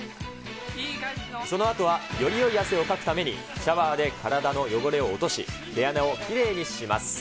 そのあとはよりよい汗をかくために、シャワーで体の汚れを落とし、毛穴をきれいにします。